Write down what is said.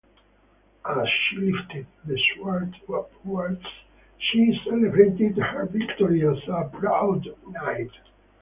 As she lifted the sword upwards, she celebrated her victory as a proud knight.